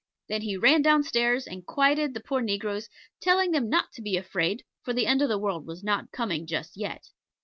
Then he ran down stairs and quieted the poor negroes, telling them not to be afraid, for the end of the world was not coming just yet.